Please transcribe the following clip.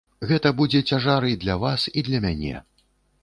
Гэта будзе цяжар і для вас, і для мяне.